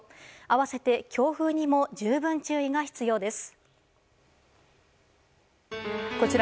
合わせて強風にも十分注意が必要です。